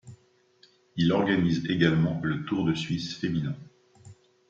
Il organise également le Tour de Suisse féminin.